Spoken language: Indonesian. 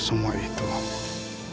sampai mas wisnu pulang